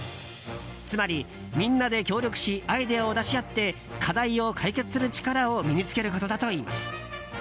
つまり、みんなで協力しアイデアを出し合って課題を解決する力を身に付けることだといいます。